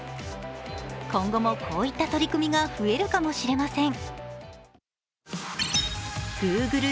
今後もこういった取り組みが増えるかもしれません。